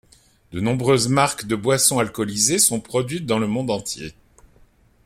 De nombreuses marques de boissons alcoolisées sont produites dans le monde entier.